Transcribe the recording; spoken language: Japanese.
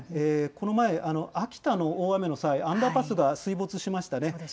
この前、秋田の大雨の際、アンダーパスが水没しましたね。